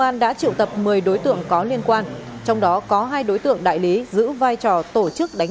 công an đã triệu tập một mươi đối tượng có liên quan trong đó có hai đối tượng đại lý giữ vai trò tổ chức đánh